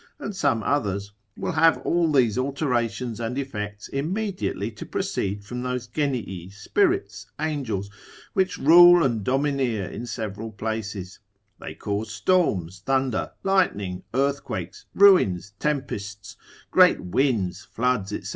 and some others, will have all these alterations and effects immediately to proceed from those genii, spirits, angels, which rule and domineer in several places; they cause storms, thunder, lightning, earthquakes, ruins, tempests, great winds, floods, &c.